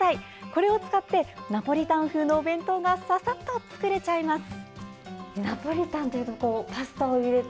これを使ってナポリタン風のお弁当がささっと作れちゃいます。